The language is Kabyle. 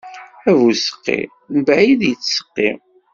Abuseqqi mebɛid i yettseqqi.